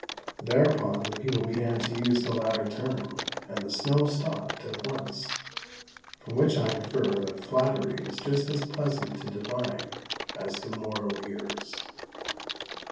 Thereupon the people began to use the latter term, and the snow stopped at once; from which I infer that flattery is just as pleasant to divine as to mortal ears.